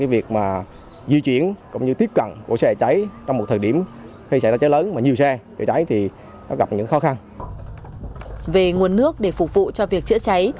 về nguồn nước để phục vụ cho việc chữa cháy